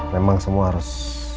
memang semua harus